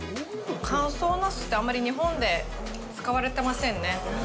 乾燥ナスって、あんまり日本で使われてませんね。